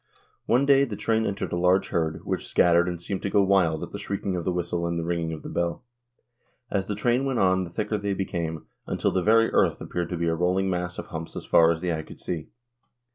One day the train entered a large herd, which scattered and seemed to go wild at the shrieking of the whistle and the ringing of the bell. As the train went on the thicker they became, until the very earth appeared to be a rolling mass of humps as far as the eye could see.